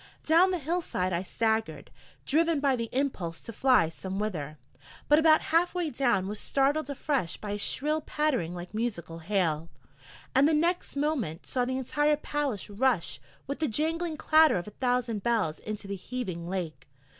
Down the hill side I staggered, driven by the impulse to fly somewhither, but about half way down was startled afresh by a shrill pattering like musical hail, and the next moment saw the entire palace rush with the jangling clatter of a thousand bells into the heaving lake.